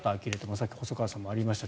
さっき細川さんからもありました。